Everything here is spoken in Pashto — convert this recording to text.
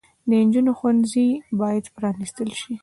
د انجونو ښوونځي بايد پرانستل شي